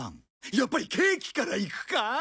やっぱりケーキからいくか？